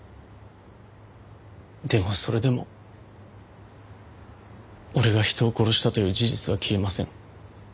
でもそれでも俺が人を殺したという事実は消えません。